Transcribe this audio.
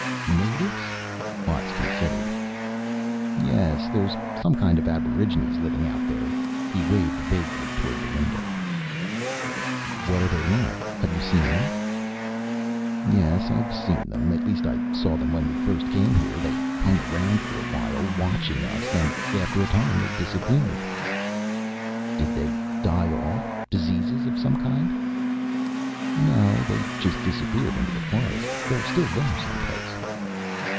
"Natives?" Watts considered. "Yes, there's some kind of aborigines living out there." He waved vaguely toward the window. "What are they like? Have you seen them?" "Yes, I've seen them. At least, I saw them when we first came here. They hung around for a while, watching us, then after a time they disappeared." "Did they die off? Diseases of some kind?" "No. They just just disappeared. Into their forest. They're still there, someplace."